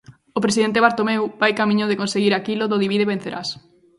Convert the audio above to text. O presidente Bartomeu vai camiño de conseguir aquilo do divide e vencerás.